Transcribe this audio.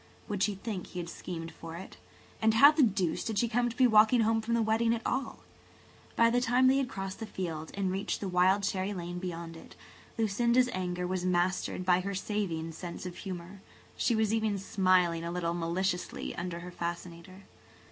Would she think he had schemed for it? And how the deuce did she come to be walking home from the wedding at all? By the time they had crossed the field and reached the wild cherry lane beyond it, Lucinda's anger was mastered by her saving sense of humour. She was even smiling a little maliciously under her fascinator.